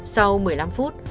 sau một mươi năm phút